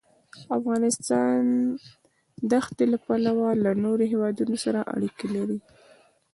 افغانستان د ښتې له پلوه له نورو هېوادونو سره اړیکې لري.